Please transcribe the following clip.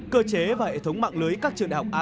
cơ chế và hệ thống mạng lưới các trường đại học việt nam